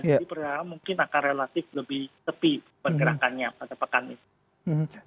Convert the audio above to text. jadi pernyataan mungkin akan relatif lebih tepi pergerakannya pada pekan ini